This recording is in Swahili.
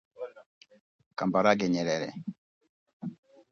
Kambarage Nyerere